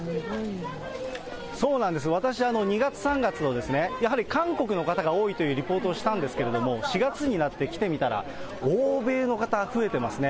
そうなんです、私、２月、３月とですね、やはり韓国の方が多いというリポートをしたんですけれども、４月になって来てみたら、欧米の方、増えてますね。